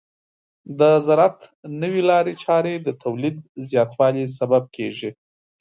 د زراعت نوې لارې چارې د تولید زیاتوالي سبب کیږي.